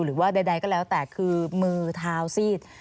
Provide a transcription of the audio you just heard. หรือว่าใดก็แล้วแต่คือมือเท้าซีด